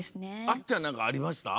あっちゃんなんかありました？